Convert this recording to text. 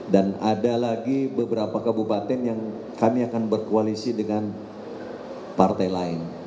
dan ada lagi beberapa kabupaten yang kami akan berkoalisi dengan partai lain